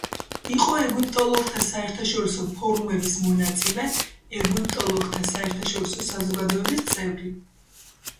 იყო ეგვიპტოლოგთა საერთაშორისო ფორუმების მონაწილე, ეგვიპტოლოგთა საერთაშორისო საზოგადოების წევრი.